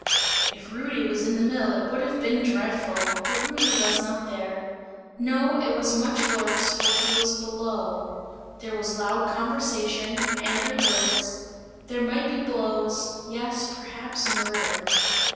If Rudy was in the mill it would have been dreadful, but Rudy was not there; no, it was much worse, for he was below. There was loud conversation, angry words; there might be blows; yes, perhaps murder.